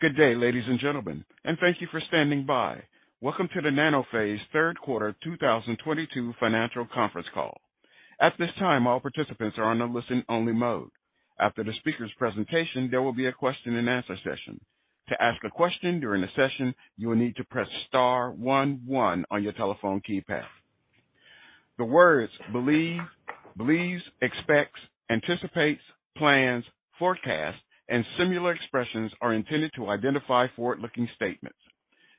Good day, ladies and gentlemen, and thank you for standing by. Welcome to the Nanophase third quarter 2022 financial conference call. At this time, all participants are on a listen-only mode. After the speaker's presentation, there will be a question-and-answer session. To ask a question during the session, you will need to press star one one on your telephone keypad. The words believe, believes, expects, anticipates, plans, forecasts, and similar expressions are intended to identify forward-looking statements.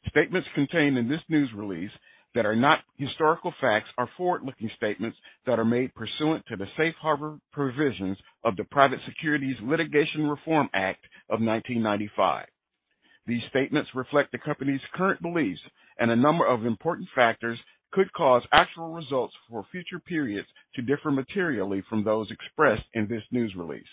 Statements contained in this news release that are not historical facts are forward-looking statements that are made pursuant to the Safe Harbor Provisions of the Private Securities Litigation Reform Act of 1995. These statements reflect the company's current beliefs, and a number of important factors could cause actual results for future periods to differ materially from those expressed in this news release.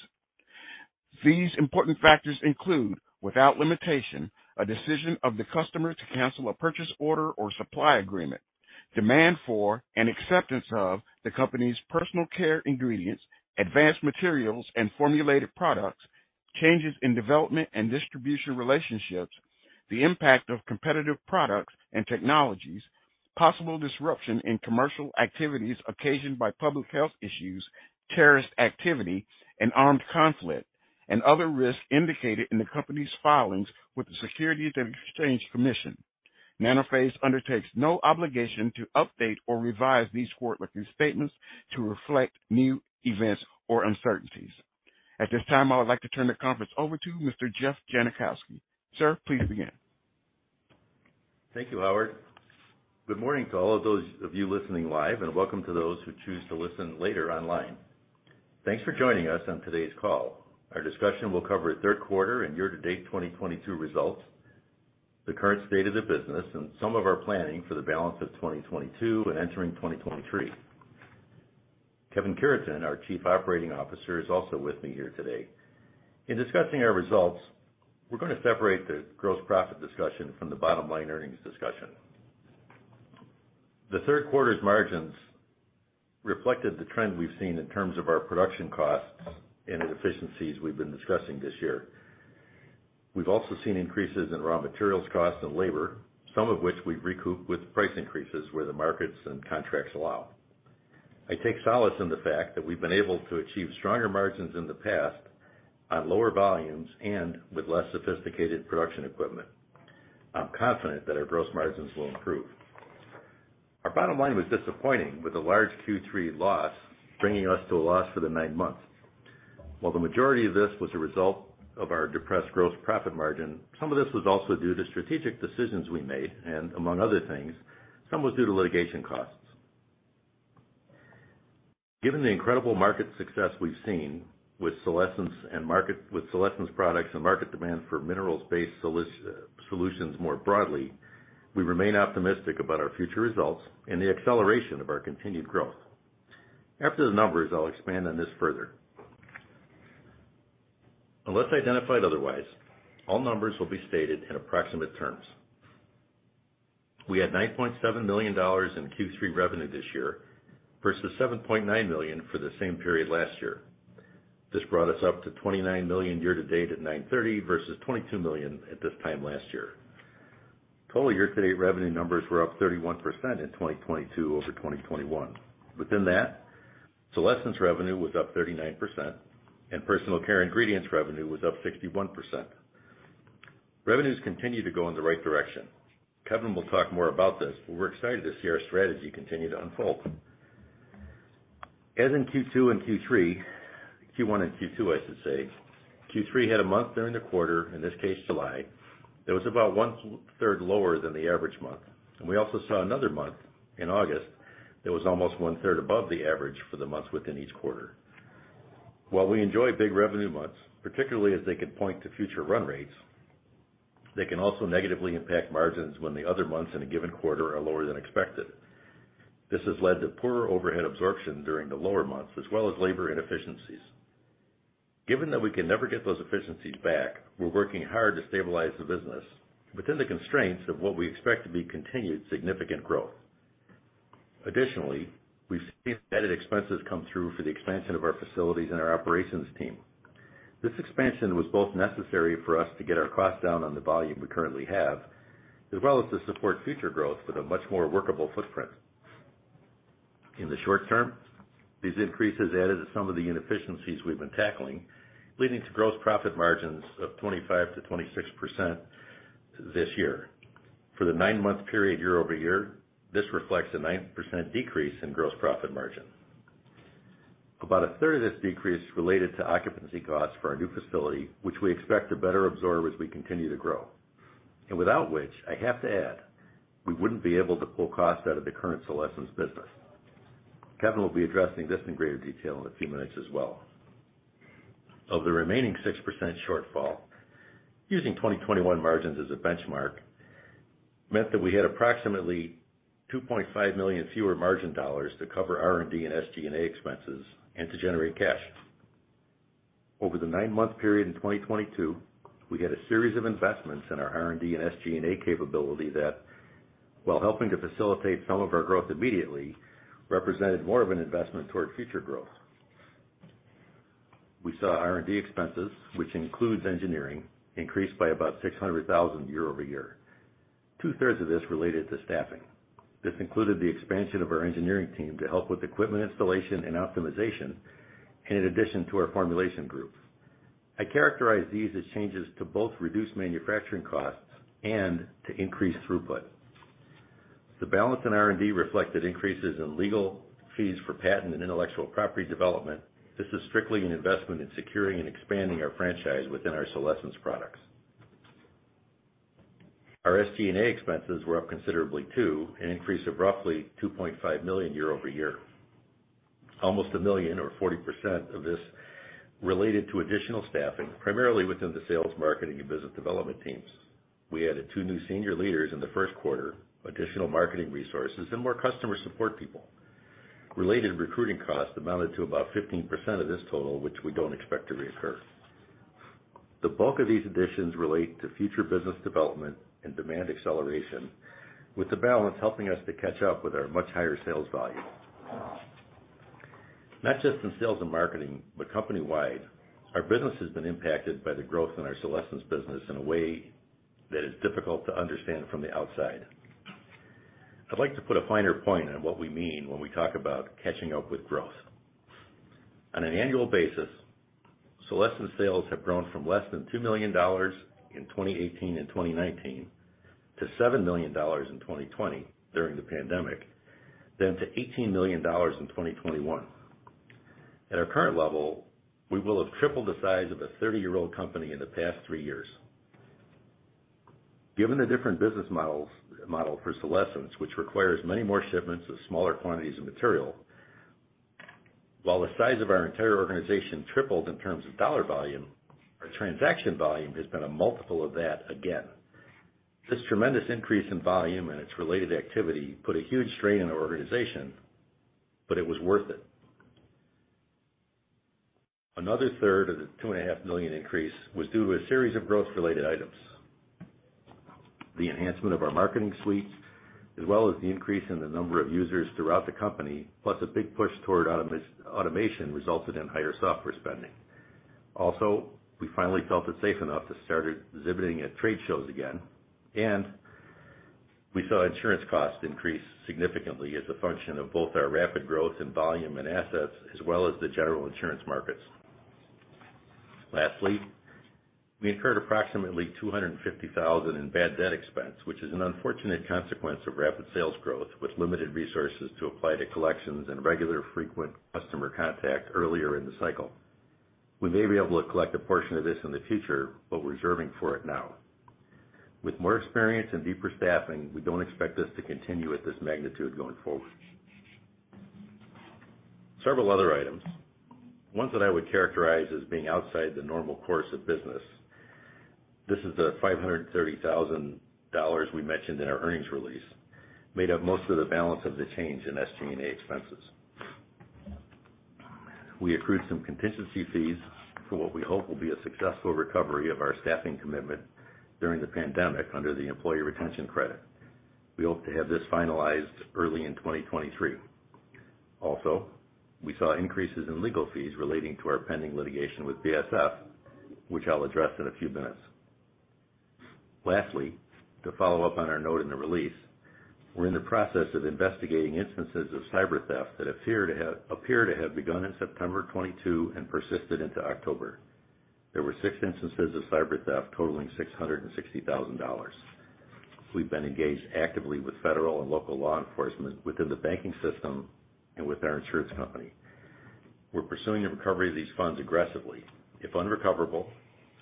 These important factors include, without limitation, a decision of the customer to cancel a purchase order or supply agreement, demand for and acceptance of the company's Personal Care Ingredients, Advanced Materials, and Formulated Products, changes in development and distribution relationships, the impact of competitive products and technologies, possible disruption in commercial activities occasioned by public health issues, terrorist activity, and armed conflict, and other risks indicated in the company's filings with the Securities and Exchange Commission. Nanophase undertakes no obligation to update or revise these forward-looking statements to reflect new events or uncertainties. At this time, I would like to turn the conference over to Mr. Jeff Jankowski. Sir, please begin. Thank you, Howard. Good morning to all of those of you listening live, and welcome to those who choose to listen later online. Thanks for joining us on today's call. Our discussion will cover third quarter and year-to-date 2022 results, the current state of the business, and some of our planning for the balance of 2022 and entering 2023. Kevin Cureton, our Chief Operating Officer, is also with me here today. In discussing our results, we're gonna separate the gross profit discussion from the bottom-line earnings discussion. The third quarter's margins reflected the trend we've seen in terms of our production costs and inefficiencies we've been discussing this year. We've also seen increases in raw materials costs and labor, some of which we've recouped with price increases where the markets and contracts allow. I take solace in the fact that we've been able to achieve stronger margins in the past on lower volumes and with less sophisticated production equipment. I'm confident that our gross margins will improve. Our bottom line was disappointing, with a large Q3 loss bringing us to a loss for the nine months. While the majority of this was a result of our depressed gross profit margin, some of this was also due to strategic decisions we made, and among other things, some was due to litigation costs. Given the incredible market success we've seen with Solésence products and market demand for minerals-based solutions more broadly, we remain optimistic about our future results and the acceleration of our continued growth. After the numbers, I'll expand on this further. Unless identified otherwise, all numbers will be stated in approximate terms. We had $9.7 million in Q3 revenue this year versus $7.9 million for the same period last year. This brought us up to $29 million year-to-date at 09/30/2022 versus $22 million at this time last year. Total year-to-date revenue numbers were up 31% in 2022 over 2021. Within that, Solésence revenue was up 39% and Personal Care Ingredients revenue was up 61%. Revenues continue to go in the right direction. Kevin will talk more about this, but we're excited to see our strategy continue to unfold. As in Q1 and Q2, I should say, Q3 had a month during the quarter, in this case July, that was about 1/3 lower than the average month. We also saw another month, in August, that was almost 1/3 above the average for the months within each quarter. While we enjoy big revenue months, particularly as they can point to future run rates, they can also negatively impact margins when the other months in a given quarter are lower than expected. This has led to poorer overhead absorption during the lower months, as well as labor inefficiencies. Given that we can never get those efficiencies back, we're working hard to stabilize the business within the constraints of what we expect to be continued significant growth. Additionally, we've seen added expenses come through for the expansion of our facilities and our operations team. This expansion was both necessary for us to get our costs down on the volume we currently have, as well as to support future growth with a much more workable footprint. In the short term, these increases added to some of the inefficiencies we've been tackling, leading to gross profit margins of 25%-26% this year. For the nine-month period year-over-year, this reflects a 9% decrease in gross profit margin. About 1/3 of this decrease related to occupancy costs for our new facility, which we expect to better absorb as we continue to grow, and without which, I have to add, we wouldn't be able to pull costs out of the current Solésence business. Kevin will be addressing this in greater detail in a few minutes as well. Of the remaining 6% shortfall, using 2021 margins as a benchmark meant that we had approximately $2.5 million fewer margin dollars to cover R&D and SG&A expenses and to generate cash. Over the nine-month period in 2022, we had a series of investments in our R&D and SG&A capability that, while helping to facilitate some of our growth immediately, represented more of an investment toward future growth. We saw R&D expenses, which includes engineering, increased by about $600,000 year-over-year. Two-thirds of this related to staffing. This included the expansion of our engineering team to help with equipment installation and optimization, and in addition to our formulation group. I characterize these as changes to both reduce manufacturing costs and to increase throughput. The balance in R&D reflected increases in legal fees for patent and intellectual property development. This is strictly an investment in securing and expanding our franchise within our Solésence products. Our SG&A expenses were up considerably too, an increase of roughly $2.5 million year-over-year. Almost $1 million or 40% of this related to additional staffing, primarily within the sales, marketing, and business development teams. We added two new senior leaders in the first quarter, additional marketing resources, and more customer support people. Related recruiting costs amounted to about 15% of this total, which we don't expect to reoccur. The bulk of these additions relate to future business development and demand acceleration, with the balance helping us to catch up with our much higher sales volume. Not just in sales and marketing, but company-wide, our business has been impacted by the growth in our Solésence business in a way that is difficult to understand from the outside. I'd like to put a finer point on what we mean when we talk about catching up with growth. On an annual basis, Solésence sales have grown from less than $2 million in 2018 and 2019 to $7 million in 2020 during the pandemic, then to $18 million in 2021. At our current level, we will have tripled the size of a 30-year-old company in the past three years. Given the different business models, model for Solésence, which requires many more shipments of smaller quantities of material, while the size of our entire organization tripled in terms of dollar volume, our transaction volume has been a multiple of that again. This tremendous increase in volume and its related activity put a huge strain on our organization, but it was worth it. Another third of the $2.5 million increase was due to a series of growth-related items. The enhancement of our marketing suites, as well as the increase in the number of users throughout the company, plus a big push toward automation resulted in higher software spending. Also, we finally felt it safe enough to start exhibiting at trade shows again, and we saw insurance costs increase significantly as a function of both our rapid growth in volume and assets, as well as the general insurance markets. Lastly, we incurred approximately $250,000 in bad debt expense, which is an unfortunate consequence of rapid sales growth with limited resources to apply to collections and regular frequent customer contact earlier in the cycle. We may be able to collect a portion of this in the future, but we're reserving for it now. With more experience and deeper staffing, we don't expect this to continue at this magnitude going forward. Several other items, ones that I would characterize as being outside the normal course of business. This is the $530,000 we mentioned in our earnings release, made up most of the balance of the change in SG&A expenses. We accrued some contingency fees for what we hope will be a successful recovery of our staffing commitment during the pandemic under the Employee Retention Credit. We hope to have this finalized early in 2023. Also, we saw increases in legal fees relating to our pending litigation with BASF, which I'll address in a few minutes. Lastly, to follow up on our note in the release, we're in the process of investigating instances of cyber theft that appear to have begun in September 2022 and persisted into October. There were six instances of cyber theft totaling $660,000. We've been engaged actively with federal and local law enforcement within the banking system and with our insurance company. We're pursuing a recovery of these funds aggressively. If unrecoverable,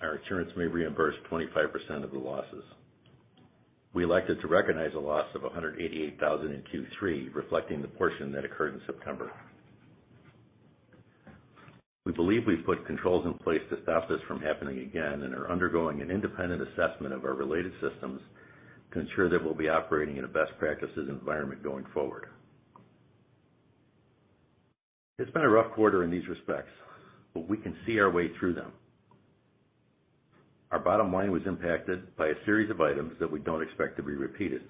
our insurance may reimburse 25% of the losses. We elected to recognize a loss of $188,000 in Q3 reflecting the portion that occurred in September. We believe we've put controls in place to stop this from happening again and are undergoing an independent assessment of our related systems to ensure that we'll be operating in a best practices environment going forward. It's been a rough quarter in these respects, but we can see our way through them. Our bottom line was impacted by a series of items that we don't expect to be repeated.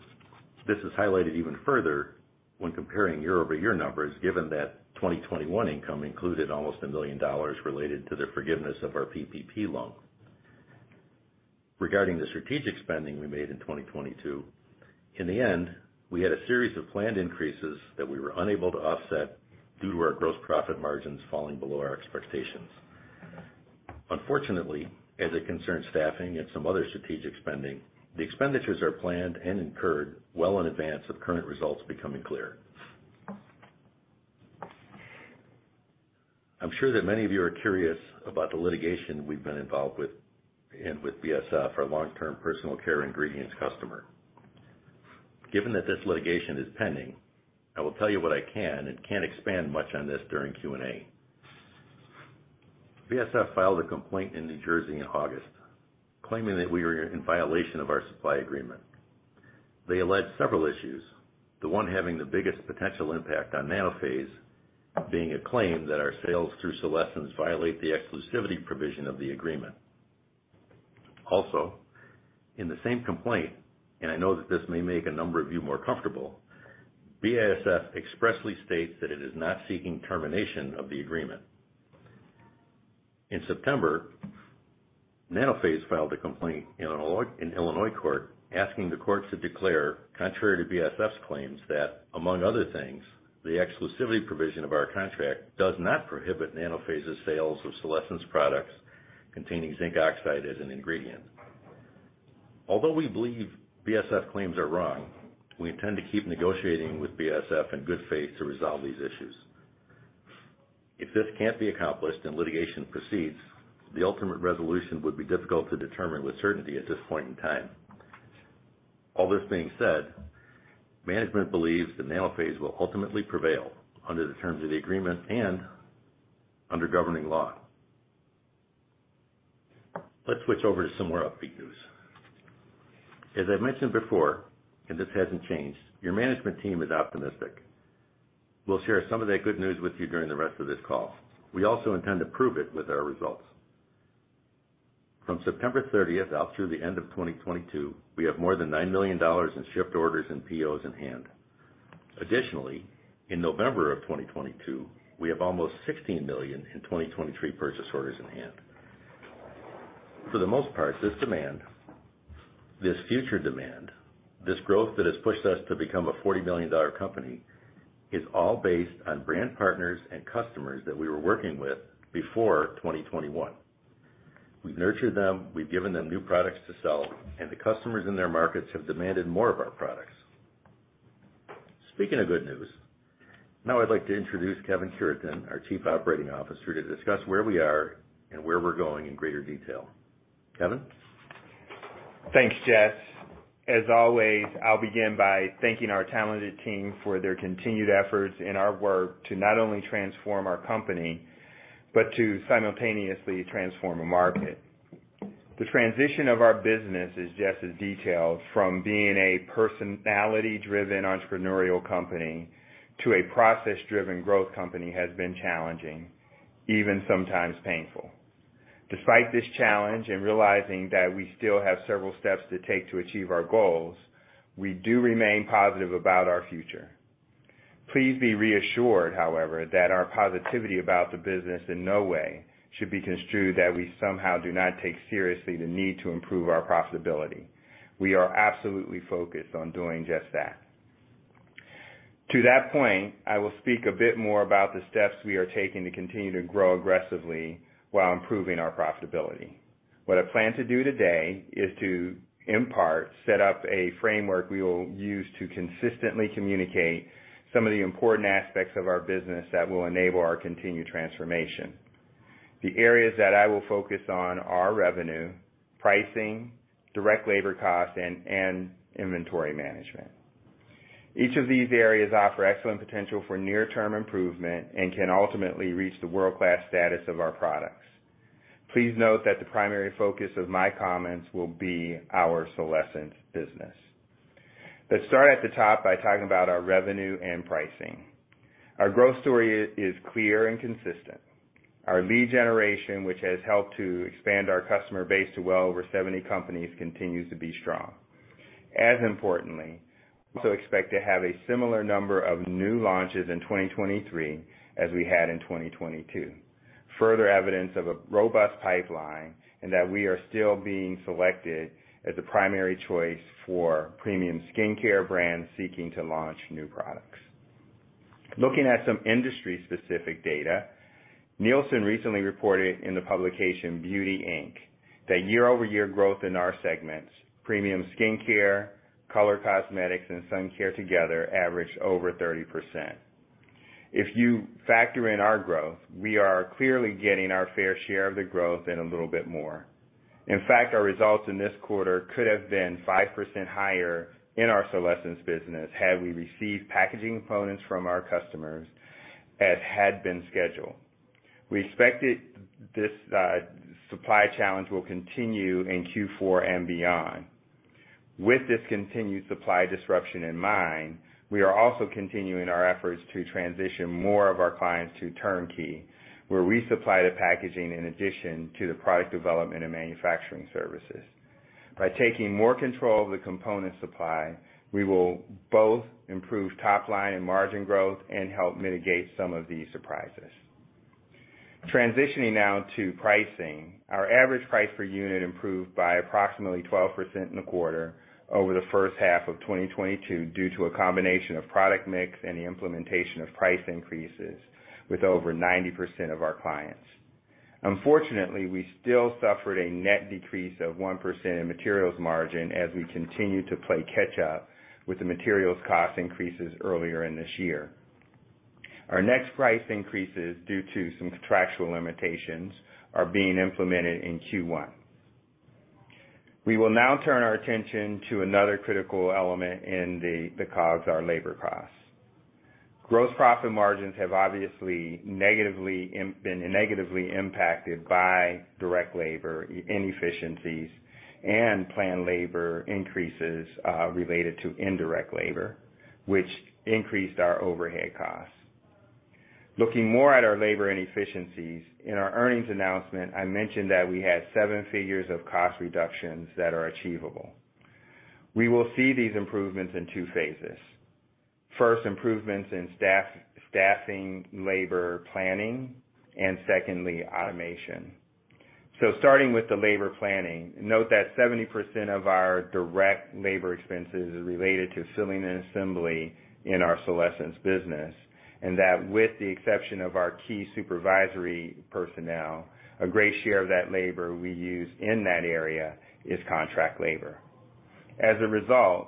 This is highlighted even further when comparing year-over-year numbers, given that 2021 income included almost $1 million related to the forgiveness of our PPP loan. Regarding the strategic spending we made in 2022, in the end, we had a series of planned increases that we were unable to offset due to our gross profit margins falling below our expectations. Unfortunately, as it concerns staffing and some other strategic spending, the expenditures are planned and incurred well in advance of current results becoming clear. I'm sure that many of you are curious about the litigation we've been involved with and with BASF, our long-term Personal Care Ingredients customer. Given that this litigation is pending, I will tell you what I can and can't expand much on this during Q&A. BASF filed a complaint in New Jersey in August, claiming that we were in violation of our supply agreement. They alleged several issues, the one having the biggest potential impact on Nanophase being a claim that our sales through Solésence violate the exclusivity provision of the agreement. Also, in the same complaint, and I know that this may make a number of you more comfortable, BASF expressly states that it is not seeking termination of the agreement. In September, Nanophase filed a complaint in Illinois court asking the court to declare, contrary to BASF's claims, that among other things, the exclusivity provision of our contract does not prohibit Nanophase's sales of Solésence products containing zinc oxide as an ingredient. Although we believe BASF's claims are wrong, we intend to keep negotiating with BASF in good faith to resolve these issues. If this can't be accomplished and litigation proceeds, the ultimate resolution would be difficult to determine with certainty at this point in time. All this being said, management believes that Nanophase will ultimately prevail under the terms of the agreement and under governing law. Let's switch over to some more upbeat news. As I've mentioned before, and this hasn't changed, your management team is optimistic. We'll share some of that good news with you during the rest of this call. We also intend to prove it with our results. From September 30th through the end of 2022, we have more than $9 million in shipped orders and POs in hand. Additionally, in November of 2022, we have almost $16 million in 2023 purchase orders in hand. For the most part, this demand, this future demand, this growth that has pushed us to become a $40 million company, is all based on brand partners and customers that we were working with before 2021. We've nurtured them, we've given them new products to sell, and the customers in their markets have demanded more of our products. Speaking of good news, now I'd like to introduce Kevin Cureton, our Chief Operating Officer, to discuss where we are and where we're going in greater detail. Kevin? Thanks, Jess. As always, I'll begin by thanking our talented team for their continued efforts in our work to not only transform our company, but to simultaneously transform a market. The transition of our business from being a personality-driven entrepreneurial company to a process-driven growth company has been challenging, even sometimes painful. Despite this challenge and realizing that we still have several steps to take to achieve our goals, we do remain positive about our future. Please be reassured, however, that our positivity about the business in no way should be construed that we somehow do not take seriously the need to improve our profitability. We are absolutely focused on doing just that. To that point, I will speak a bit more about the steps we are taking to continue to grow aggressively while improving our profitability. What I plan to do today is to, in part, set up a framework we will use to consistently communicate some of the important aspects of our business that will enable our continued transformation. The areas that I will focus on are revenue, pricing, direct labor cost, and inventory management. Each of these areas offer excellent potential for near term improvement and can ultimately reach the world-class status of our products. Please note that the primary focus of my comments will be our Solésence business. Let's start at the top by talking about our revenue and pricing. Our growth story is clear and consistent. Our lead generation, which has helped to expand our customer base to well over 70 companies, continues to be strong. As importantly, we also expect to have a similar number of new launches in 2023 as we had in 2022. Further evidence of a robust pipeline and that we are still being selected as the primary choice for premium skincare brands seeking to launch new products. Looking at some industry-specific data, Nielsen recently reported in the publication Beauty Inc, that year-over-year growth in our segments, premium skincare, color cosmetics, and sun care together averaged over 30%. If you factor in our growth, we are clearly getting our fair share of the growth and a little bit more. In fact, our results in this quarter could have been 5% higher in our Solésence business had we received packaging components from our customers as had been scheduled. We expected this supply challenge will continue in Q4 and beyond. With this continued supply disruption in mind, we are also continuing our efforts to transition more of our clients to turnkey, where we supply the packaging in addition to the product development and manufacturing services. By taking more control of the component supply, we will both improve top line and margin growth and help mitigate some of these surprises. Transitioning now to pricing. Our average price per unit improved by approximately 12% in the quarter over the first half of 2022 due to a combination of product mix and the implementation of price increases with over 90% of our clients. Unfortunately, we still suffered a net decrease of 1% in materials margin as we continued to play catch up with the materials cost increases earlier in this year. Our next price increases due to some contractual limitations are being implemented in Q1. We will now turn our attention to another critical element in the costs, our labor costs. Gross profit margins have obviously been negatively impacted by direct labor inefficiencies and planned labor increases related to indirect labor, which increased our overhead costs. Looking more at our labor inefficiencies, in our earnings announcement, I mentioned that we had seven figures of cost reductions that are achievable. We will see these improvements in two phases. First, improvements in staffing, labor planning, and secondly, automation. Starting with the labor planning, note that 70% of our direct labor expenses are related to filling and assembly in our Solésence business, and that with the exception of our key supervisory personnel, a great share of that labor we use in that area is contract labor. As a result,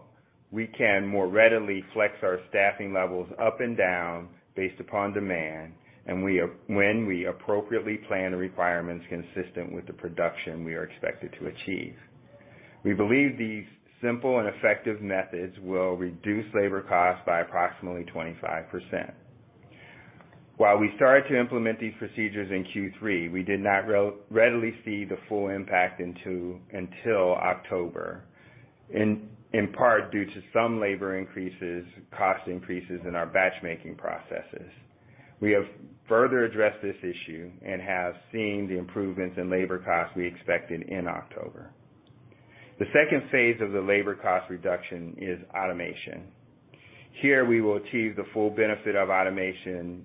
we can more readily flex our staffing levels up and down based upon demand, and when we appropriately plan requirements consistent with the production we are expected to achieve. We believe these simple and effective methods will reduce labor costs by approximately 25%. While we started to implement these procedures in Q3, we did not readily see the full impact until October. In part due to some labor increases, cost increases in our batch making processes. We have further addressed this issue and have seen the improvements in labor costs we expected in October. The second phase of the labor cost reduction is automation. Here, we will achieve the full benefit of automation.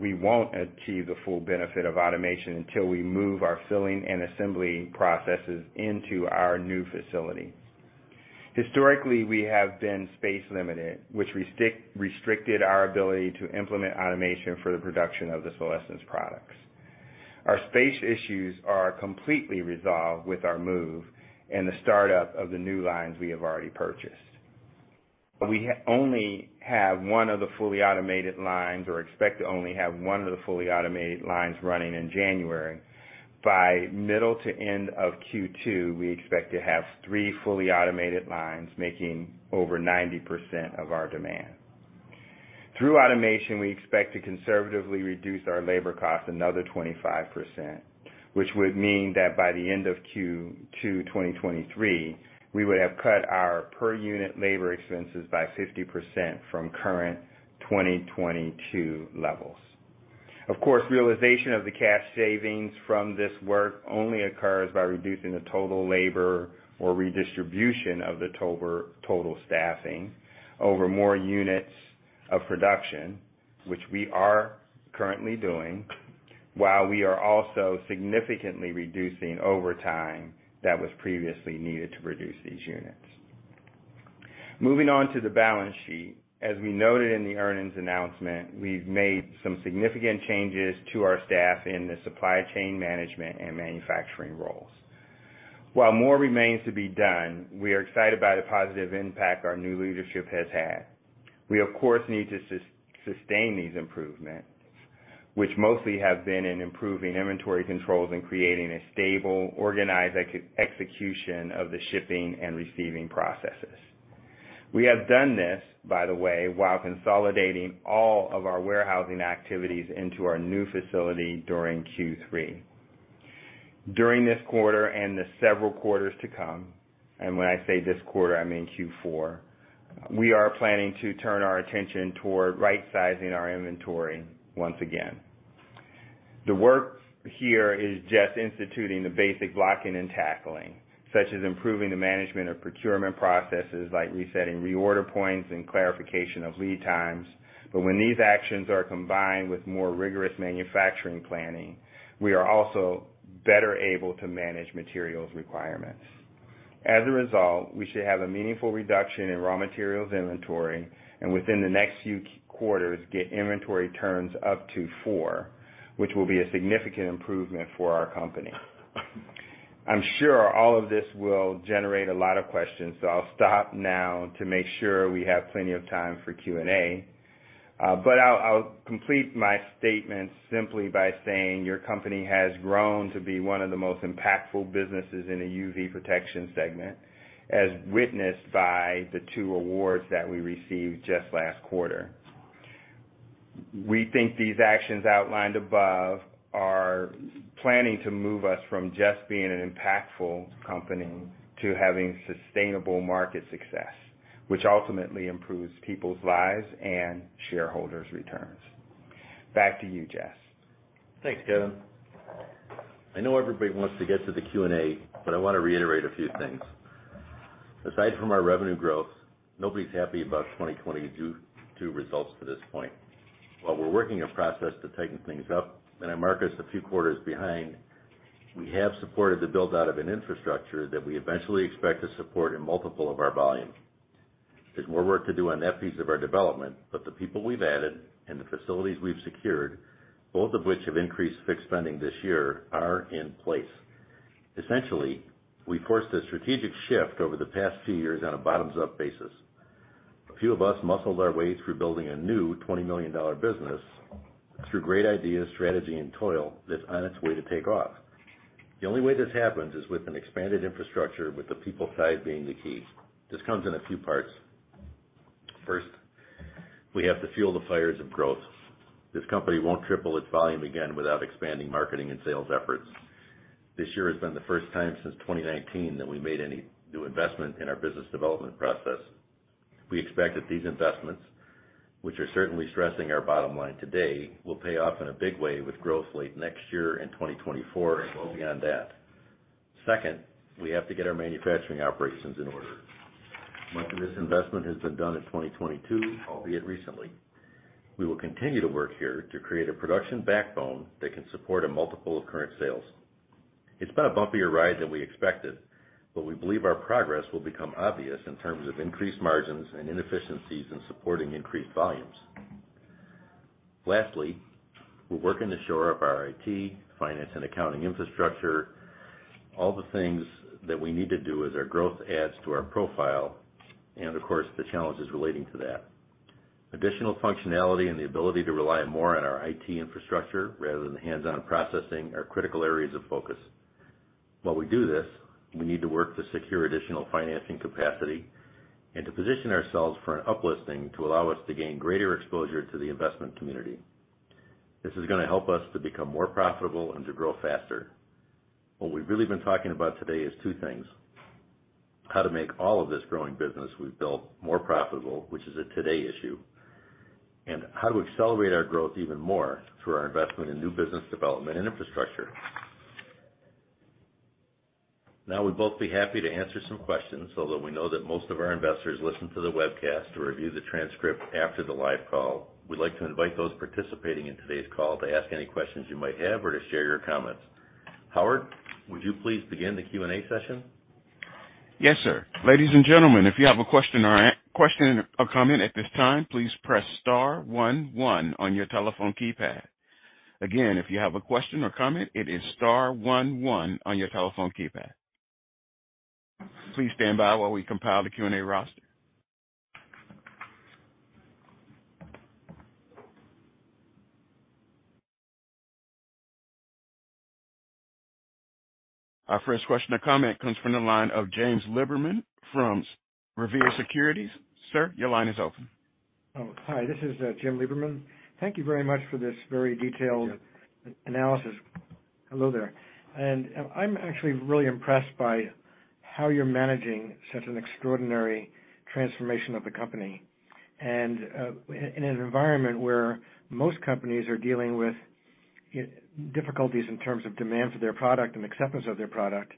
We won't achieve the full benefit of automation until we move our filling and assembly processes into our new facility. Historically, we have been space limited, which restricted our ability to implement automation for the production of the Solésence products. Our space issues are completely resolved with our move and the start of the new lines we have already purchased. We only have one of the fully automated lines, or expect to only have one of the fully automated lines running in January. By middle to end of Q2, we expect to have three fully automated lines making over 90% of our demand. Through automation, we expect to conservatively reduce our labor cost another 25%, which would mean that by the end of Q2 2023, we would have cut our per unit labor expenses by 50% from current 2022 levels. Of course, realization of the cash savings from this work only occurs by reducing the total labor or redistribution of the total staffing over more units of production, which we are currently doing, while we are also significantly reducing overtime that was previously needed to produce these units. Moving on to the balance sheet. As we noted in the earnings announcement, we've made some significant changes to our staff in the supply chain management and manufacturing roles. While more remains to be done, we are excited about the positive impact our new leadership has had. We, of course, need to sustain these improvements, which mostly have been in improving inventory controls and creating a stable, organized execution of the shipping and receiving processes. We have done this, by the way, while consolidating all of our warehousing activities into our new facility during Q3. During this quarter and the several quarters to come, and when I say this quarter, I mean Q4, we are planning to turn our attention toward right-sizing our inventory once again. The work here is just instituting the basic blocking and tackling, such as improving the management of procurement processes like resetting reorder points and clarification of lead times. When these actions are combined with more rigorous manufacturing planning, we are also better able to manage materials requirements. As a result, we should have a meaningful reduction in raw materials inventory, and within the next few quarters, get inventory turns up to 4x, which will be a significant improvement for our company. I'm sure all of this will generate a lot of questions, so I'll stop now to make sure we have plenty of time for Q&A. I'll complete my statement simply by saying your company has grown to be one of the most impactful businesses in the UV protection segment, as witnessed by the two awards that we received just last quarter. We think these actions outlined above are planning to move us from just being an impactful company to having sustainable market success, which ultimately improves people's lives and shareholders' returns. Back to you, Jess. Thanks, Kevin. I know everybody wants to get to the Q&A, but I wanna reiterate a few things. Aside from our revenue growth, nobody's happy about 2022 results to this point. While we're working a process to tighten things up, and I mark us a few quarters behind, we have supported the build out of an infrastructure that we eventually expect to support in multiple of our volumes. There's more work to do on that piece of our development, but the people we've added and the facilities we've secured, both of which have increased fixed spending this year, are in place. Essentially, we forced a strategic shift over the past few years on a bottoms-up basis. A few of us muscled our way through building a new $20 million business through great ideas, strategy, and toil that's on its way to take off. The only way this happens is with an expanded infrastructure with the people side being the key. This comes in a few parts. First, we have to fuel the fires of growth. This company won't triple its volume again without expanding marketing and sales efforts. This year has been the first time since 2019 that we made any new investment in our business development process. We expect that these investments, which are certainly stressing our bottom line today, will pay off in a big way with growth late next year and 2024 and beyond that. Second, we have to get our manufacturing operations in order. Much of this investment has been done in 2022, albeit recently. We will continue to work here to create a production backbone that can support a multiple of current sales. It's been a bumpier ride than we expected, but we believe our progress will become obvious in terms of increased margins and efficiencies in supporting increased volumes. Lastly, we're working to shore up our IT, finance, and accounting infrastructure, all the things that we need to do as our growth adds to our profile and, of course, the challenges relating to that. Additional functionality and the ability to rely more on our IT infrastructure rather than hands-on processing are critical areas of focus. While we do this, we need to work to secure additional financing capacity and to position ourselves for an up-listing to allow us to gain greater exposure to the investment community. This is gonna help us to become more profitable and to grow faster. What we've really been talking about today is two things, how to make all of this growing business we've built more profitable, which is a today issue, and how to accelerate our growth even more through our investment in new business development and infrastructure. Now we'd both be happy to answer some questions, although we know that most of our investors listen to the webcast to review the transcript after the live call. We'd like to invite those participating in today's call to ask any questions you might have or to share your comments. Howard, would you please begin the Q&A session? Yes, sir. Ladies and gentlemen, if you have a question or comment at this time, please press star one one on your telephone keypad. Again, if you have a question or comment, it is star one one on your telephone keypad. Please stand by while we compile the Q&A roster. Our first question or comment comes from the line of James Lieberman from Revere Securities. Sir, your line is open. Oh. Hi. This is Jim Lieberman. Thank you very much for this very detailed- Yeah.... analysis. Hello there. I'm actually really impressed by how you're managing such an extraordinary transformation of the company. In an environment where most companies are dealing with difficulties in terms of demand for their product and acceptance of their product,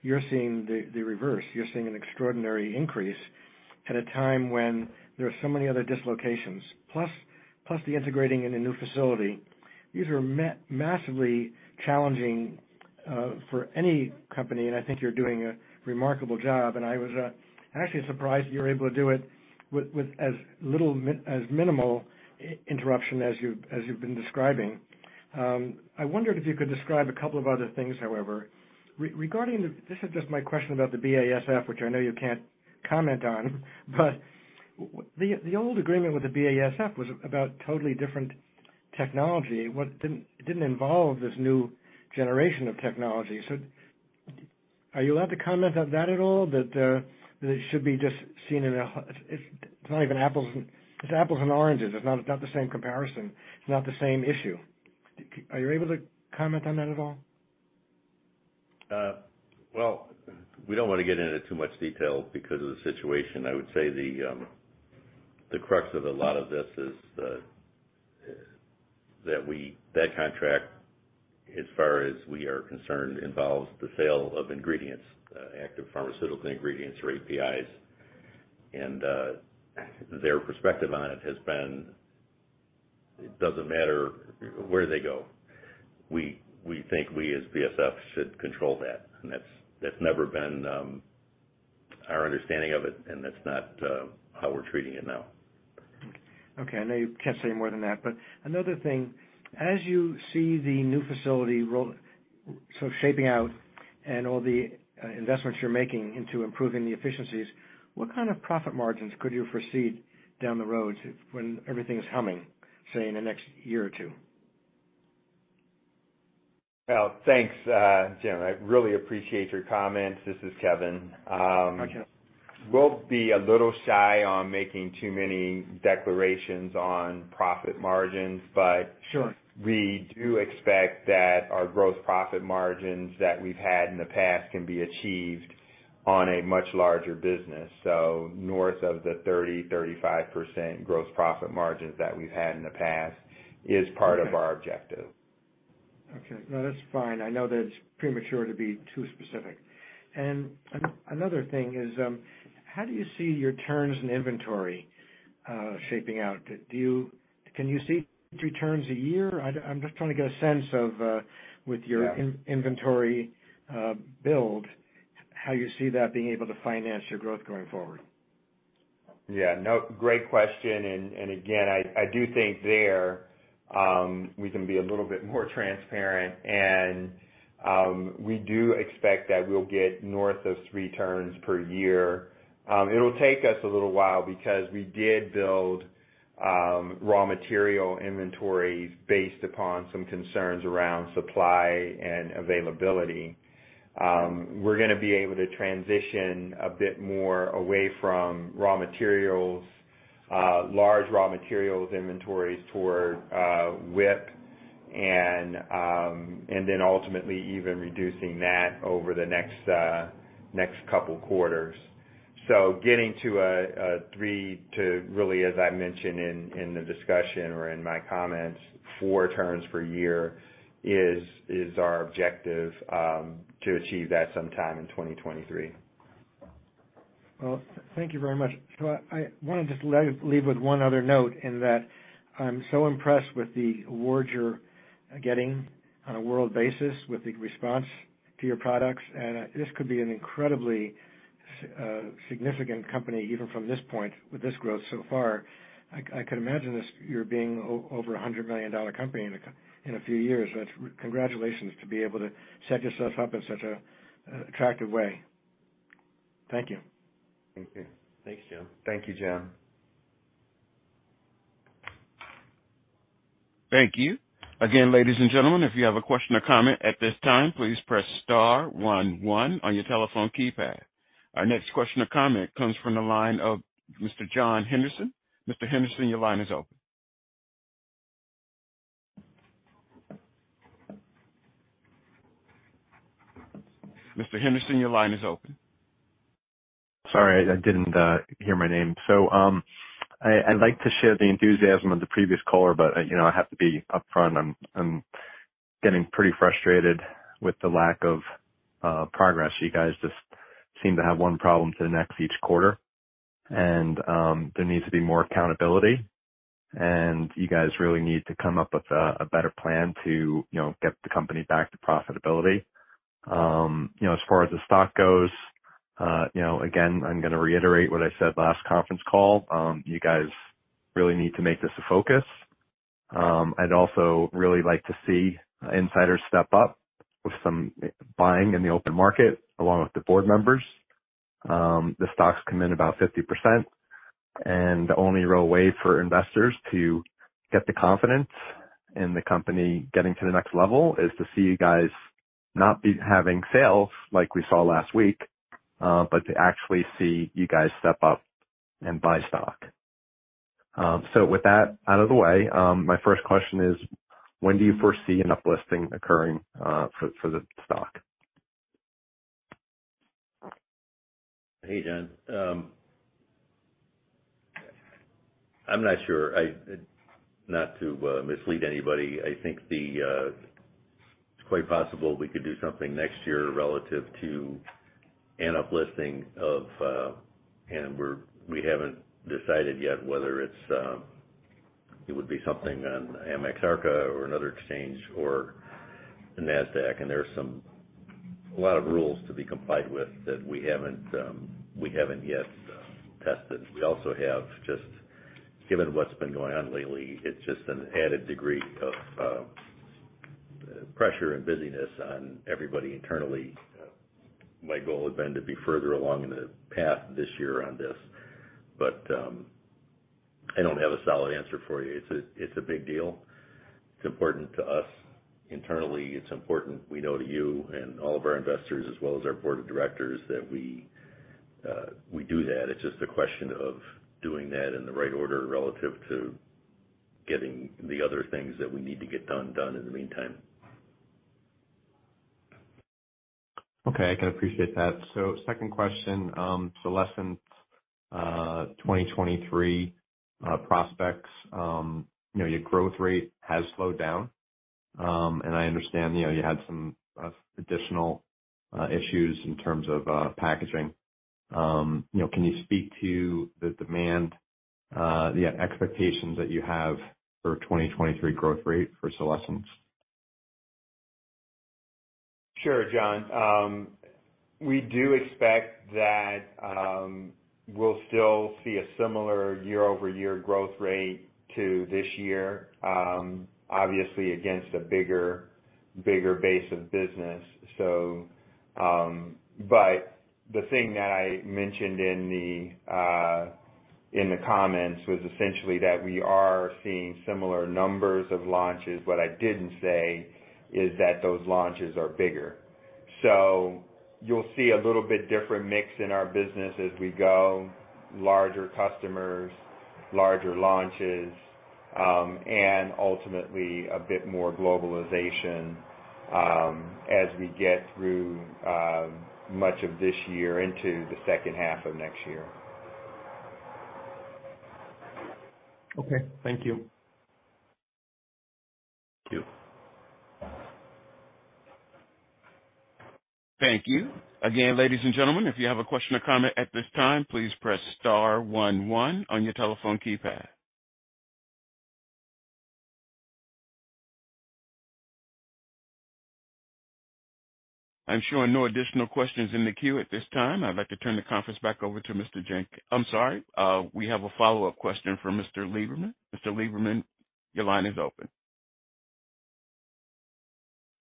you're seeing the reverse. You're seeing an extraordinary increase at a time when there are so many other dislocations, plus the integrating in a new facility. These are massively challenging for any company, and I think you're doing a remarkable job. I was actually surprised you were able to do it with as little as minimal interruption as you've been describing. I wondered if you could describe a couple of other things, however, regarding the... this is just my question about the BASF, which I know you can't comment on. The old agreement with the BASF was about totally different technology. It didn't involve this new generation of technology. Are you allowed to comment on that at all? That it should be just seen in a, it's not even apples and oranges. It's not the same comparison. It's not the same issue. Are you able to comment on that at all? Well, we don't wanna get into too much detail because of the situation. I would say the crux of a lot of this is that contract, as far as we are concerned, involves the sale of ingredients, active pharmaceutical ingredients or APIs. Their perspective on it has been, it doesn't matter where they go. We think we as BASF should control that, and that's never been our understanding of it, and that's not how we're treating it now. Okay. I know you can't say more than that, but another thing, as you see the new facility sort of shaping out and all the investments you're making into improving the efficiencies, what kind of profit margins could you foresee down the road when everything is humming, say, in the next year or two? Well, thanks, Jim. I really appreciate your comments. This is Kevin. Hi, Kevin. We'll be a little shy on making too many declarations on profit margins, but- Sure. We do expect that our gross profit margins that we've had in the past can be achieved on a much larger business. North of the 30%-35% gross profit margins that we've had in the past is part of our objective. Okay. No, that's fine. I know that it's premature to be too specific. Another thing is, how do you see your turns in inventory shaping out? Can you see two turns a year? I'm just trying to get a sense of, with your inventory build, how you see that being able to finance your growth going forward. Yeah. No, great question. Again, I do think that we can be a little bit more transparent and we do expect that we'll get north of three turns per year. It'll take us a little while because we did build raw material inventories based upon some concerns around supply and availability. We're gonna be able to transition a bit more away from raw materials Large raw materials inventories toward WIP and then ultimately even reducing that over the next couple quarters. Getting to a three to really, as I mentioned in the discussion or in my comments, four turns per year is our objective to achieve that sometime in 2023. Well, thank you very much. I wanna just leave with one other note, in that I'm so impressed with the awards you're getting on a world basis with the response to your products. This could be an incredibly significant company, even from this point, with this growth so far. I could imagine this you being over a $100 million-dollar company in a few years. Congratulations to be able to set yourself up in such a attractive way. Thank you. Thank you. Thanks, Jim. Thank you, Jim. Thank you. Again, ladies and gentlemen, if you have a question or comment at this time, please press star one one on your telephone keypad. Our next question or comment comes from the line of Mr. John Henderson. Mr. Henderson, your line is open. Mr. Henderson, your line is open. Sorry, I didn't hear my name. I'd like to share the enthusiasm of the previous caller, but, you know, I have to be upfront. I'm getting pretty frustrated with the lack of progress. You guys just seem to have one problem to the next each quarter. There needs to be more accountability. You guys really need to come up with a better plan to, you know, get the company back to profitability. You know, as far as the stock goes, you know, again, I'm gonna reiterate what I said last conference call. I'd also really like to see insiders step up with some buying in the open market along with the Board members. The stock's come in about 50%. The only real way for investors to get the confidence in the company getting to the next level is to see you guys not be having sales like we saw last week, but to actually see you guys step up and buy stock. With that out of the way, my first question is, when do you foresee an uplisting occurring for the stock? Hey, John. I'm not sure. Not to mislead anybody, I think it's quite possible we could do something next year relative to an uplisting, and we haven't decided yet whether it would be something on AMEX, Arca or another exchange or the Nasdaq. There are a lot of rules to be complied with that we haven't yet tested. We also have, given what's been going on lately, just an added degree of pressure and busyness on everybody internally. My goal had been to be further along in the path this year on this, but I don't have a solid answer for you. It's a big deal. It's important to us internally. It's important, we know, to you and all of our investors, as well as our Board of Directors, that we do that. It's just a question of doing that in the right order relative to getting the other things that we need to get done in the meantime. Okay, I can appreciate that. Second question. Solésence, 2023 prospects, you know, your growth rate has slowed down. I understand, you know, you had some additional issues in terms of packaging. You know, can you speak to the demand, the expectations that you have for 2023 growth rate for Solésence? Sure, John. We do expect that we'll still see a similar year-over-year growth rate to this year, obviously against a bigger base of business, so. The thing that I mentioned in the comments was essentially that we are seeing similar numbers of launches. What I didn't say is that those launches are bigger. You'll see a little bit different mix in our business as we go. Larger customers, larger launches, and ultimately a bit more globalization, as we get through much of this year into the second half of next year. Okay, thank you. Thank you. Thank you. Again, ladies and gentlemen, if you have a question or comment at this time, please press star one one on your telephone keypad. I'm showing no additional questions in the queue at this time. I'd like to turn the conference back over. I'm sorry. We have a follow-up question from Mr. Lieberman. Mr. Lieberman, your line is open.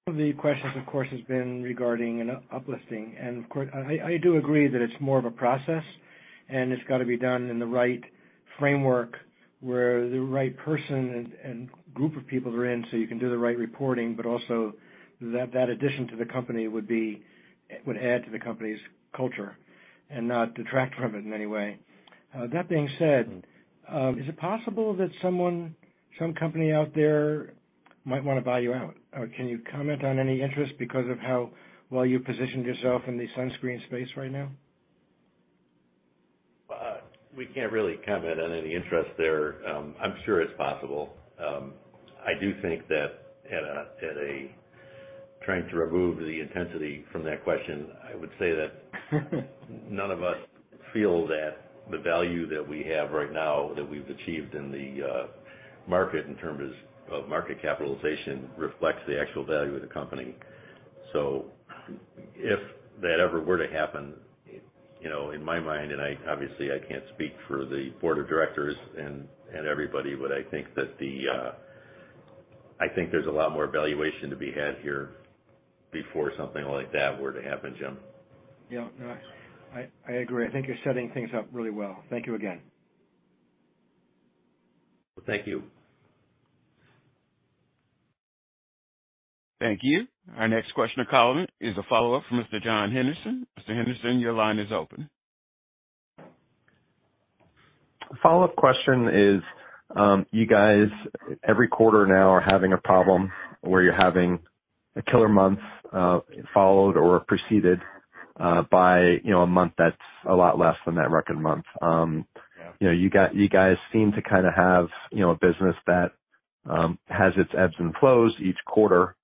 The questions, of course, has been regarding an uplisting. Of course, I do agree that it's more of a process and it's gotta be done in the right framework where the right person and group of people are in, so you can do the right reporting, but also that addition to the company would add to the company's culture and not detract from it in any way. That being said, is it possible that some company out there might wanna buy you out? Or can you comment on any interest because of how well you positioned yourself in the sunscreen space right now? We can't really comment on any interest there. I'm sure it's possible. I do think that trying to remove the intensity from that question, I would say that none of us feel that the value that we have right now, that we've achieved in the market in terms of market capitalization reflects the actual value of the company. If that ever were to happen, you know, in my mind, and obviously, I can't speak for the Board of Directors and everybody, but I think there's a lot more valuation to be had here before something like that were to happen, Jim. Yeah. No, I agree. I think you're setting things up really well. Thank you again. Thank you. Thank you. Our next question or comment is a follow-up from Mr. John Henderson. Mr. Henderson, your line is open. Follow-up question is, you guys every quarter now are having a problem where you're having a killer month, followed or preceded by, you know, a month that's a lot less than that record month. Yeah. You know, you guys seem to kinda have, you know, a business that has its ebbs and flows each quarter.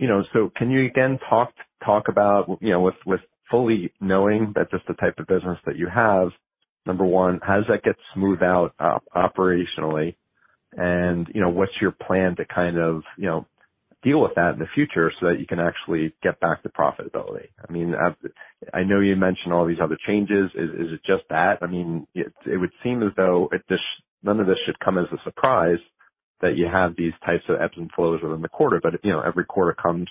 You know, can you again talk about, you know, with fully knowing that's just the type of business that you have, number one, how does that get smoothed out operationally? You know, what's your plan to kind of, you know, deal with that in the future so that you can actually get back to profitability? I mean, I know you mentioned all these other changes. Is it just that? I mean, it would seem as though none of this should come as a surprise that you have these types of ebbs and flows within the quarter, but you know, every quarter comes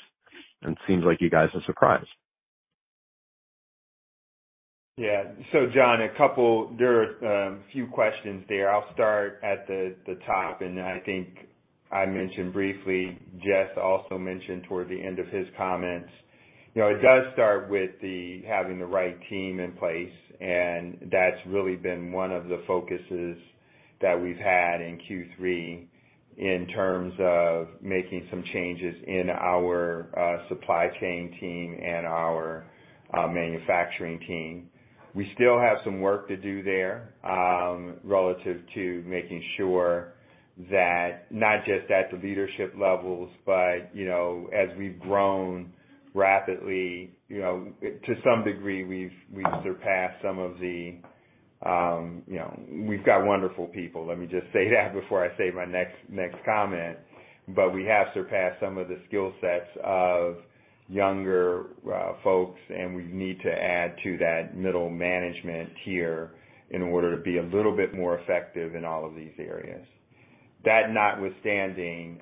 and seems like you guys are surprised. John, there are few questions there. I'll start at the top, and then I think I mentioned briefly. Jess also mentioned toward the end of his comments. You know, it does start with having the right team in place, and that's really been one of the focuses that we've had in Q3 in terms of making some changes in our supply chain team and our manufacturing team. We still have some work to do there relative to making sure that not just at the leadership levels, but you know, as we've grown rapidly, you know, to some degree, we've surpassed some of the... We've got wonderful people, let me just say that before I say my next comment. We have surpassed some of the skill sets of younger folks, and we need to add to that middle management tier in order to be a little bit more effective in all of these areas. That notwithstanding,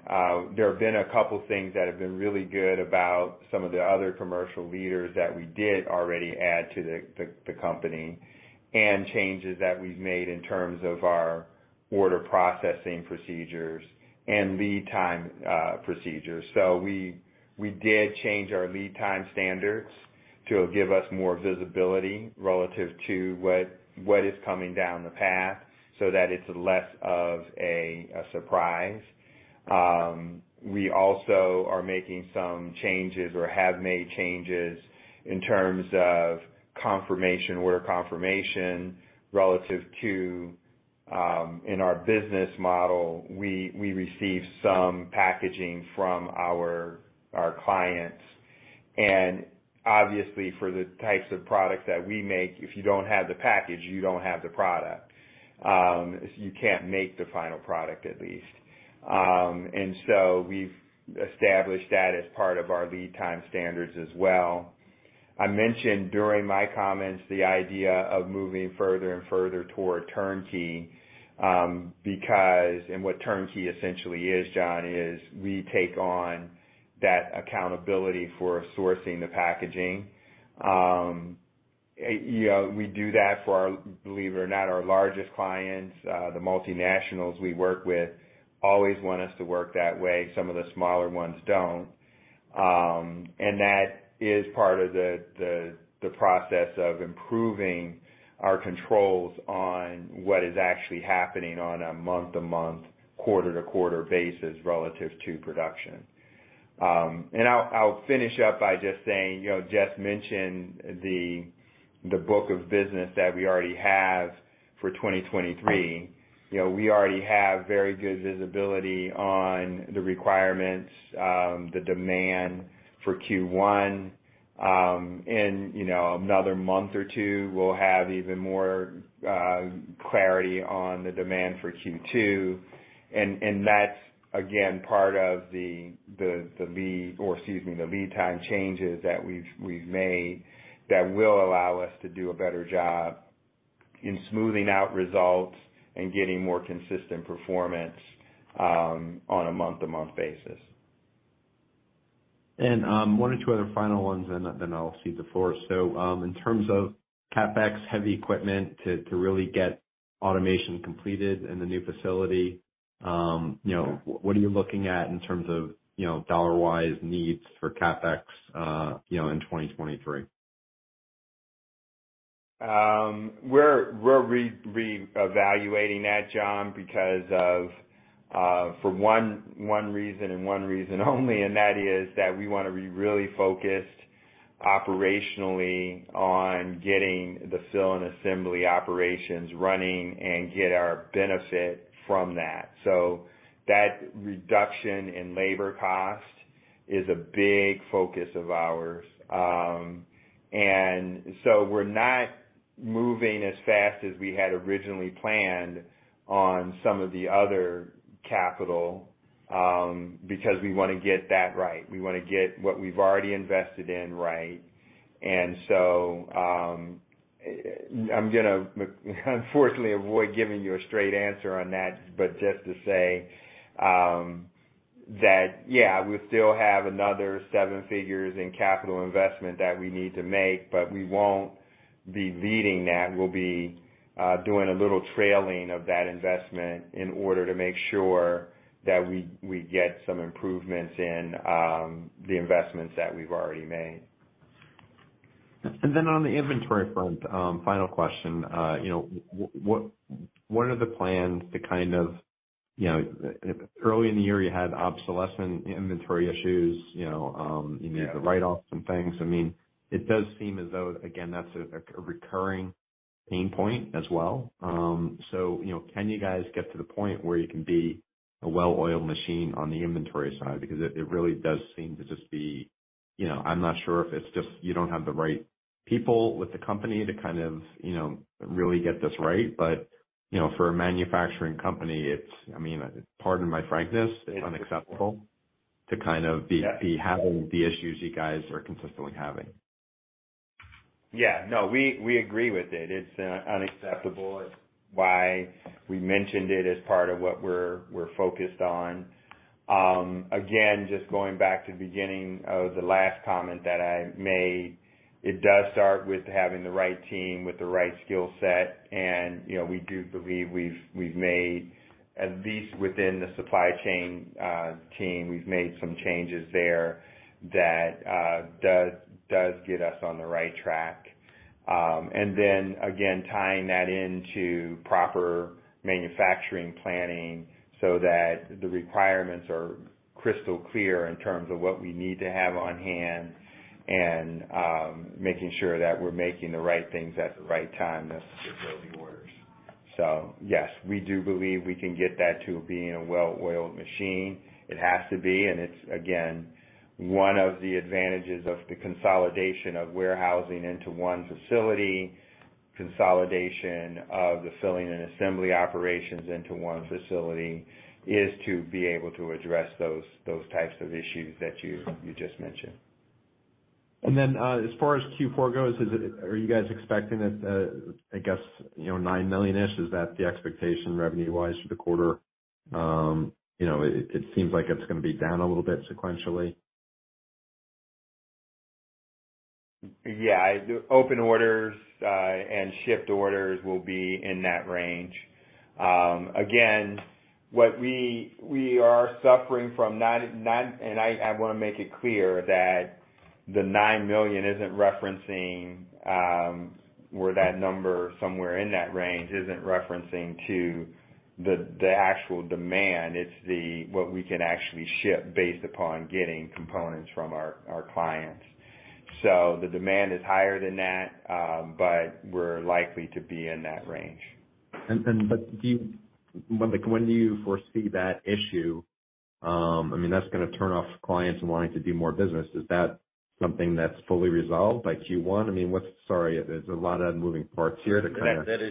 there have been a couple things that have been really good about some of the other commercial leaders that we did already add to the company and changes that we've made in terms of our order processing procedures and lead time procedures. We did change our lead time standards to give us more visibility relative to what is coming down the path so that it's less of a surprise. We also are making some changes or have made changes in terms of confirmation, order confirmation relative to, in our business model, we receive some packaging from our clients. Obviously, for the types of products that we make, if you don't have the package, you don't have the product. You can't make the final product, at least. We've established that as part of our lead time standards as well. I mentioned during my comments the idea of moving further and further toward turnkey. What turnkey essentially is, John, is we take on that accountability for sourcing the packaging. You know, we do that for, believe it or not, our largest clients. The multinationals we work with always want us to work that way. Some of the smaller ones don't. That is part of the process of improving our controls on what is actually happening on a month-to-month, quarter-to-quarter basis relative to production. I'll finish up by just saying, you know, Jess mentioned the book of business that we already have for 2023. You know, we already have very good visibility on the requirements, the demand for Q1. In you know, another month or two, we'll have even more clarity on the demand for Q2. That's again part of the lead time changes that we've made that will allow us to do a better job in smoothing out results and getting more consistent performance on a month-to-month basis. One or two other final ones and then I'll cede the floor. In terms of CapEx heavy equipment to really get automation completed in the new facility, you know, what are you looking at in terms of, you know, dollar-wise needs for CapEx, you know, in 2023? We're reevaluating that, John, because for one reason and one reason only, that is that we wanna be really focused operationally on getting the fill and assembly operations running and get our benefit from that. That reduction in labor cost is a big focus of ours. We're not moving as fast as we had originally planned on some of the other capital, because we wanna get that right. We wanna get what we've already invested in right. I'm gonna unfortunately avoid giving you a straight answer on that, but just to say that yeah, we still have another seven figures in capital investment that we need to make, but we won't be leading that. We'll be doing a little trailing of that investment in order to make sure that we get some improvements in the investments that we've already made. On the inventory front, final question. You know, what are the plans to kind of, you know. Early in the year you had obsolescent inventory issues, you know, you needed- Yeah.... to write off some things. I mean, it does seem as though, again, that's a recurring pain point as well. You know, can you guys get to the point where you can be a well-oiled machine on the inventory side? Because it really does seem to just be, you know. I'm not sure if it's just you don't have the right people with the company to kind of, you know, really get this right. You know, for a manufacturing company, it's... I mean, pardon my frankness, it's unacceptable to kind of be having the issues you guys are consistently having. Yeah, no, we agree with it. It's unacceptable. It's why we mentioned it as part of what we're focused on. Again, just going back to the beginning of the last comment that I made, it does start with having the right team with the right skill set. You know, we do believe we've made, at least within the supply chain team, we've made some changes there that does get us on the right track. Then again, tying that into proper manufacturing planning so that the requirements are crystal clear in terms of what we need to have on hand and making sure that we're making the right things at the right time to fill the orders. Yes, we do believe we can get that to being a well-oiled machine. It has to be, and it's, again, one of the advantages of the consolidation of warehousing into one facility, consolidation of the filling and assembly operations into one facility, is to be able to address those types of issues that you just mentioned. As far as Q4 goes, are you guys expecting that, I guess, you know, $9 million-ish, is that the expectation revenue-wise for the quarter? You know, it seems like it's gonna be down a little bit sequentially. Yeah, open orders and shipped orders will be in that range. Again, what we are suffering from $9 million. I wanna make it clear that the $9 million isn't referencing or that number somewhere in that range isn't referencing to the actual demand. It's what we can actually ship based upon getting components from our clients. The demand is higher than that, but we're likely to be in that range. Like, when do you foresee that issue? I mean, that's gonna turn off clients wanting to do more business. Is that something that's fully resolved by Q1? I mean, what's Sorry, there's a lot of moving parts here. That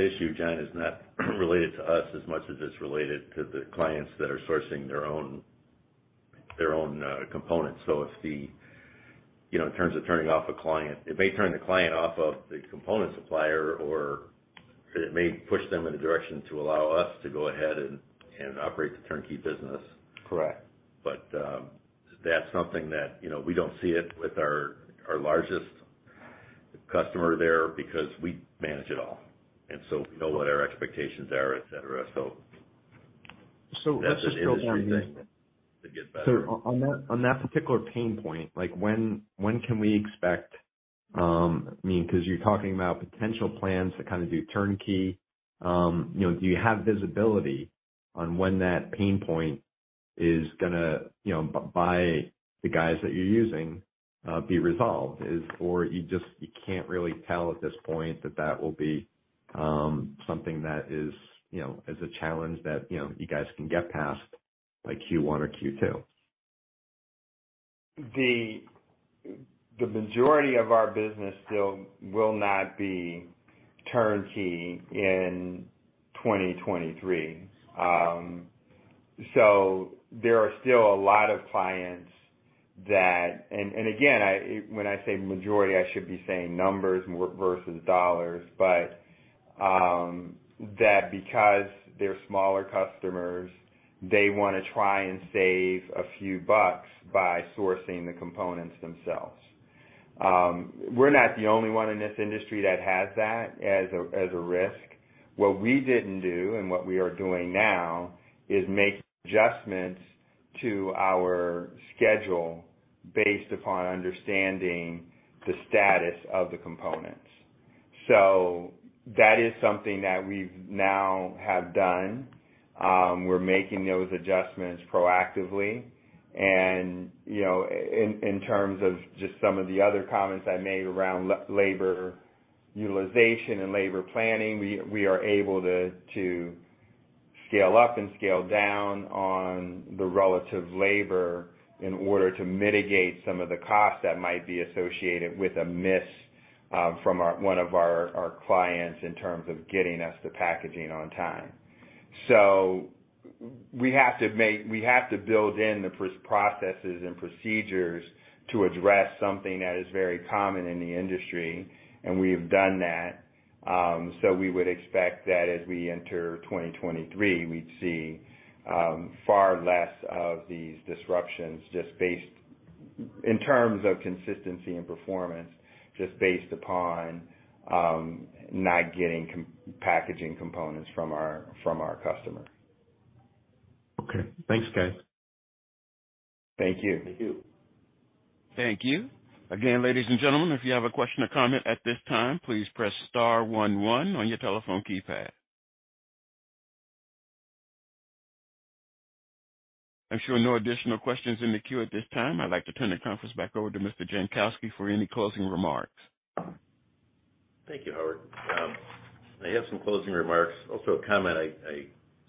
issue, John, is not related to us as much as it's related to the clients that are sourcing their own components. You know, in terms of turning off a client, it may turn the client off of the component supplier or it may push them in a direction to allow us to go ahead and operate the turnkey business. Correct. That's something that, you know, we don't see it with our largest customer there because we manage it all. We know what our expectations are, et cetera, so- Let's just build on this. That's an industry thing that could get better. On that particular pain point, like when can we expect, I mean, 'cause you're talking about potential plans to kind of do turnkey. You know, do you have visibility on when that pain point is gonna, you know, by the guys that you're using be resolved? Or you just, you can't really tell at this point that that will be something that is, you know, a challenge that, you know, you guys can get past by Q1 or Q2? The majority of our business still will not be turnkey in 2023. There are still a lot of clients and again, when I say majority, I should be saying numbers versus dollars, but that's because they're smaller customers. They wanna try and save a few bucks by sourcing the components themselves. We're not the only one in this industry that has that as a risk. What we didn't do, and what we are doing now is make adjustments to our schedule based upon understanding the status of the components. That is something that we now have done. We're making those adjustments proactively. You know, in terms of just some of the other comments I made around labor utilization and labor planning, we are able to scale up and scale down on the relative labor in order to mitigate some of the costs that might be associated with a miss from one of our clients in terms of getting us the packaging on time. We have to build in the processes and procedures to address something that is very common in the industry, and we've done that. We would expect that as we enter 2023, we'd see far less of these disruptions just based in terms of consistency and performance, just based upon not getting packaging components from our customer. Okay. Thanks, guys. Thank you. Thank you. Thank you. Again, ladies and gentlemen, if you have a question or comment at this time, please press star one one on your telephone keypad. I'm showing no additional questions in the queue at this time. I'd like to turn the conference back over to Mr. Jankowski for any closing remarks. Thank you, Howard. I have some closing remarks. Also a comment.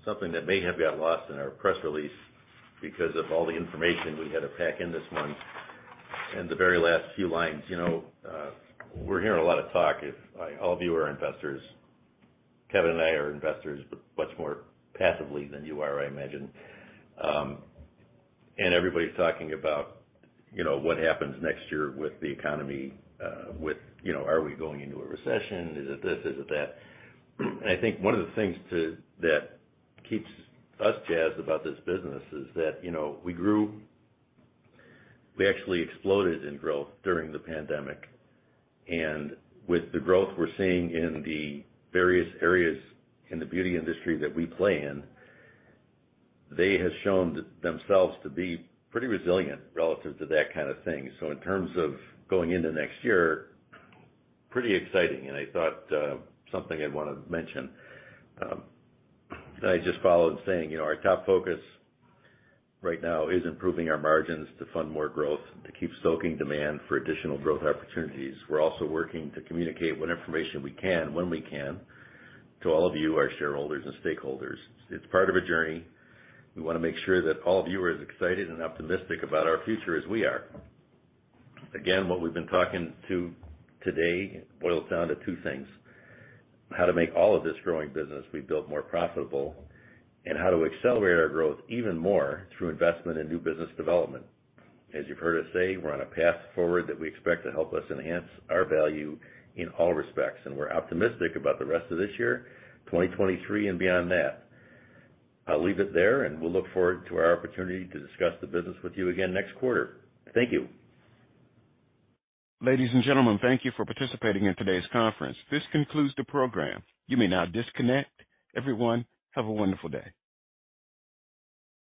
Something that may have got lost in our press release because of all the information we had to pack in this month and the very last few lines. You know, we're hearing a lot of talk. All of you are investors, Kevin and I are investors, but much more passively than you are, I imagine. And everybody's talking about, you know, what happens next year with the economy, with, you know, are we going into a recession? Is it this? Is it that? I think one of the things that keeps us jazzed about this business is that, you know, we grew. We actually exploded in growth during the pandemic. With the growth we're seeing in the various areas in the beauty industry that we play in, they have shown themselves to be pretty resilient relative to that kind of thing. In terms of going into next year, pretty exciting, and I thought, something I'd wanna mention. I just finished saying, you know, our top focus right now is improving our margins to fund more growth, to keep stoking demand for additional growth opportunities. We're also working to communicate what information we can, when we can, to all of you, our shareholders and stakeholders. It's part of a journey. We wanna make sure that all of you are as excited and optimistic about our future as we are. Again, what we've been talking to today boils down to two things, how to make all of this growing business we've built more profitable, and how to accelerate our growth even more through investment in new business development. As you've heard us say, we're on a path forward that we expect to help us enhance our value in all respects, and we're optimistic about the rest of this year, 2023 and beyond that. I'll leave it there, and we'll look forward to our opportunity to discuss the business with you again next quarter. Thank you. Ladies and gentlemen, thank you for participating in today's conference. This concludes the program. You may now disconnect. Everyone, have a wonderful day.